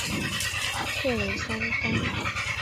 特雷桑当。